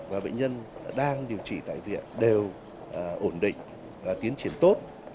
và bệnh nhân đang điều trị tại viện đều ổn định và tiến triển tốt